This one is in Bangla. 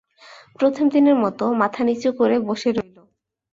প্রথম দিনের মতো মাথা নিচু করে বসে রইল।